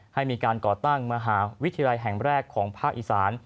ให้มีการก่อตั้งมหาวิทยาลัยแห่งแรกของภาคอีสาน